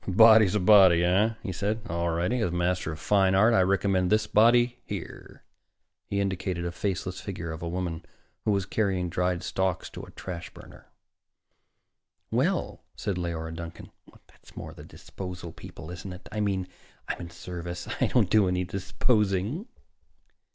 "A body's a body, eh?" he said. "All righty. As a master of fine art, I recommend this body here." He indicated a faceless figure of a woman who was carrying dried stalks to a trash burner. "Well," said Leora Duncan, "that's more the disposal people, isn't it? I mean, I'm in service. I don't do any disposing."